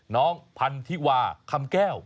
น้องพันธิวาคำแก้ว